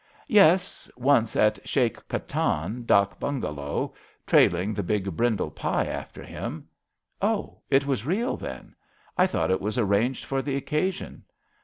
"*^ Yes; once at Sheik Katan dak bungalow — trailing the big brindle pi after him." Oh, it was real, then. I thought it was ar ranged for the occasion."